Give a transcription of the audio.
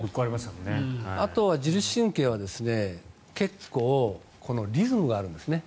あと、自律神経は結構リズムがあるんですね。